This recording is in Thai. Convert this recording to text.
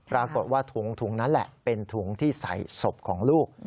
ปรากฏว่าถุงนั้นแหละเป็นถุงที่ใส่ศพของลูก